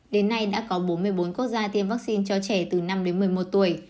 đến nay đã có bốn mươi bốn quốc gia tiêm vaccine cho trẻ từ năm đến một mươi một tuổi